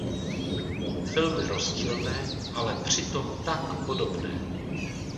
Filmy rozdílné, ale přitom tak podobné...